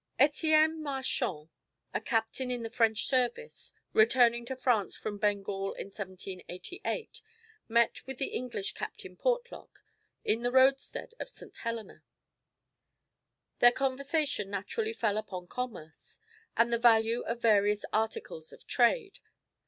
Etienne Marchand, a captain in the merchant service, returning to France from Bengal in 1788, met with the English Captain Portlock in the roadstead of St. Helena. Their conversation naturally fell upon commerce, and the value of various articles of trade.